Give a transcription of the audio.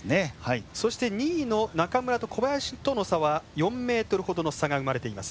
そして２位の中村と小林との差は４ｍ程の差が生まれています。